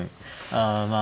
ああまあ。